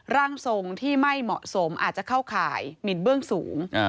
ร่างทรงที่ไม่เหมาะสมอาจจะเข้าข่ายหมินเบื้องสูง